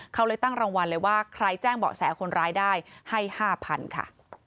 เขาเลยตั้งรางวัลเลยว่าใครแจ้งเบาะแสคนร้ายได้ให้๕๐๐๐ค่ะ